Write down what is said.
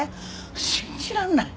信じられない！